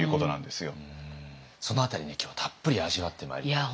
その辺りね今日たっぷり味わってまいりたいと思います。